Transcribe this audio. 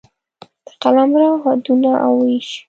د قلمرو حدونه او وېش